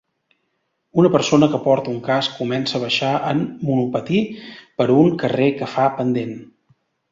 Una persona que porta un casc comença a baixar en monopatí per un carrer que fa pendent.